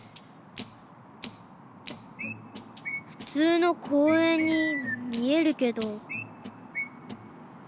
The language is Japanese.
普通の公園に見えるけど。